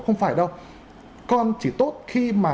không phải đâu con chỉ tốt khi mà